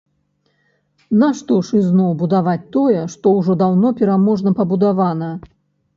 Навошта ж ізноў будаваць тое, што ўжо даўно пераможна пабудавана?